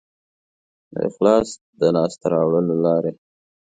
د اخلاص د لاسته راوړلو لارې